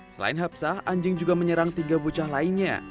selain hapsah anjing juga menyerang tiga bocah lainnya